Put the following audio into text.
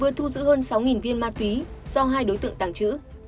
vừa thu giữ hơn sáu viên ma túy do hai đối tượng tàng trữ